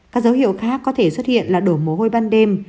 các dấu hiệu khác có thể xuất hiện là đổ mồ hôi ban đêm